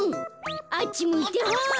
あっちむいてホイ！